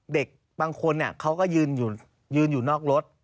เด็กบางคนเขาก็ยืนอยู่นอกรถ